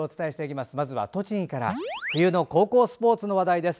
まずは、栃木から冬の高校スポーツの話題です。